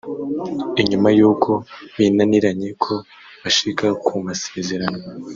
inyuma y’uko binaniranye ko bashika ku masezerano